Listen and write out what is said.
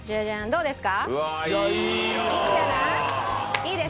どうですか？